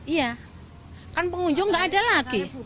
iya kan pengunjung nggak ada lagi